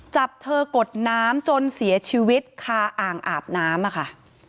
จับเธอกดน้ำจนเสียชีวิตคาอ่างอาบน้ำอะค่ะ